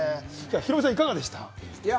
ヒロミさん、いかがでした？